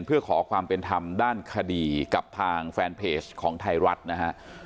เพื่อขอความเป็นธรรมด้านคดีกับทางแฟนเพจของไทยรัฐนะฮะ